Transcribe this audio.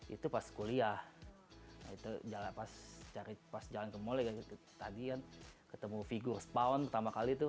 itu pas kuliah pas jalan ke mall tadi ketemu figure spawn pertama kali itu